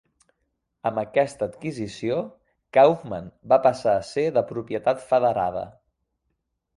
Amb aquesta adquisició, Kaufmann va passar a ser de propietat federada.